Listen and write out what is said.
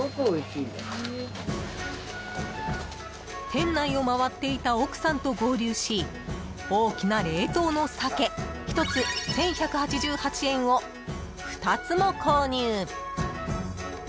［店内を回っていた奥さんと合流し大きな冷凍のサケ１つ１，１８８円を２つも購入］